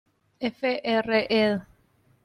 Fr., ed.